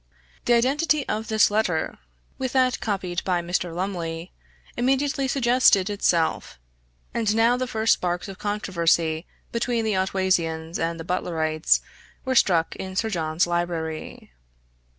The identity of this letter, with that copied by Mr. Lumley, immediately suggested itself; and now the first sparks of controversy between the Otwaysians and the Butlerites were struck in Sir John's library.